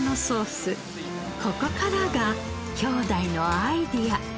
ここからが兄弟のアイデア。